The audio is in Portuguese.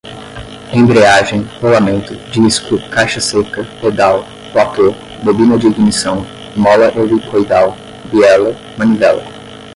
embreagem, rolamento, disco, caixa-seca, pedal, platô, bobina de ignição, mola helicoidal, biela, manivela